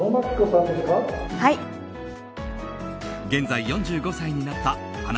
現在４５歳になった花＊